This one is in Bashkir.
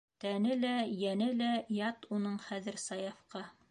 Тәне лә, йәне лә ят уның хәҙер Саяфҡа.